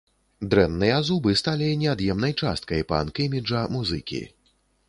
Дрэнныя зубы сталі неад'емнай часткай панк-іміджа музыкі.